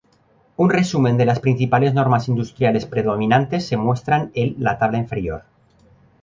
Un resumen de las principales normas industriales predominantes se muestran el la tabla inferior.